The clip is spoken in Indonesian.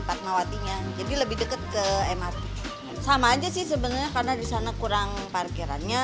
fatmawatinya jadi lebih dekat ke mrt sama aja sih sebenarnya karena disana kurang parkirannya